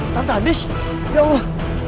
tante andis ya allah